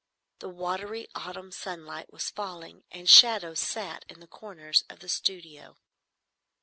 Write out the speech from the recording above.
The watery autumn sunlight was falling, and shadows sat in the corners of the studio.